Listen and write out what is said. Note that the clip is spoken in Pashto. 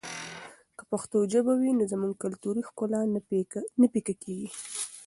که پښتو ژبه وي نو زموږ کلتوري ښکلا نه پیکه کېږي.